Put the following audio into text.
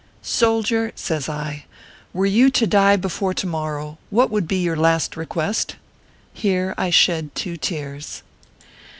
" Soldier/ says I, " were you to die before to mor row, what would be your last request ?" Here I shed two tears.